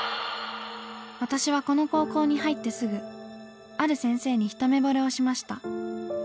「私はこの高校に入ってすぐある先生にひとめぼれをしました。